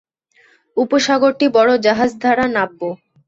উপসাগরটি বড় জাহাজ দ্বারা নাব্য।